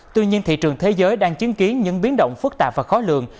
tuy nhiên thị trường thế giới đang chứng kiến những biến động phức tạp và khó lường